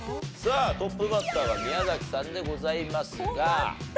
さあトップバッターは宮崎さんでございますが。